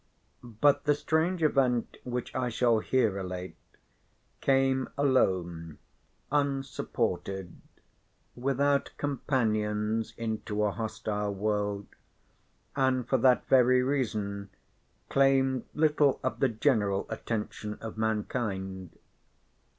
But the strange event which I shall here relate came alone, unsupported, without companions into a hostile world, and for that very reason claimed little of the general attention of mankind.